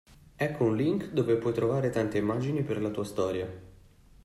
Ecco un link dove puoi trovare tante immagini per la tua storia.